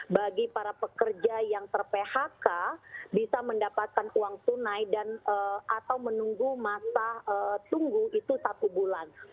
bagi para pekerja yang ter phk bisa mendapatkan uang tunai dan atau menunggu masa tunggu itu satu bulan